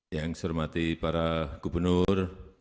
yang saya hormati para gubernur